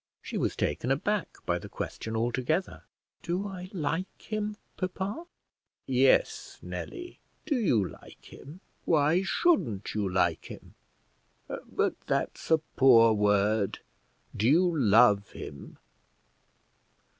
She was taken aback by the question altogether: "Do I like him, papa?" "Yes, Nelly, do you like him? Why shouldn't you like him? but that's a poor word; do you love him?"